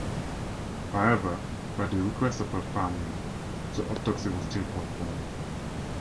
However, by the request of her family, the autopsy was still performed.